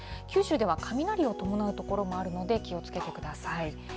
九州では雷を伴う所もあるので、気をつけてください。